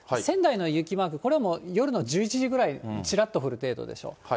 仙台の雪マーク、これはもう夜の１１時ぐらいにちらっと降る程度でしょう。